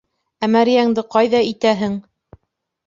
Ә мәрйәңде ҡайҙа итәһең?